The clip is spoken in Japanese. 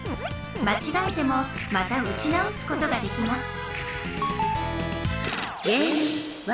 まちがえてもまた撃ち直すことができます